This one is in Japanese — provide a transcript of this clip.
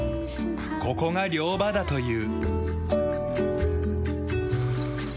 ここが猟場だという。